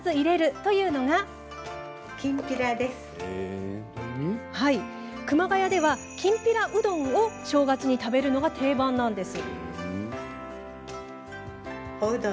そう、熊谷ではきんぴらうどんを正月に食べるのが定番なんです。